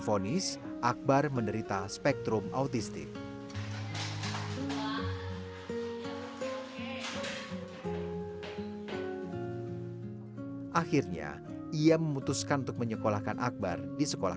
fonis akbar menderita spektrum autistik akhirnya ia memutuskan untuk menyekolahkan akbar di sekolah